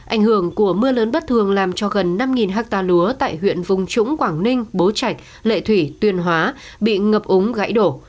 ảnh hưởng của mưa lớn bất thường làm cho gần năm hectare lúa tại huyện vùng trũng quảng ninh bố trạch lệ thủy tuyên hóa bị ngập úng gãy đổ